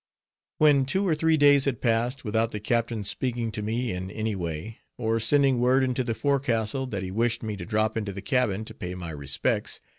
When two or three days had passed without the captain's speaking to me in any way, or sending word into the forecastle that he wished me to drop into the cabin to pay my respects.